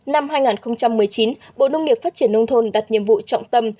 năm hai nghìn một mươi chín bộ nông nghiệp phát triển nông thôn đặt nhiệm vụ trọng tâm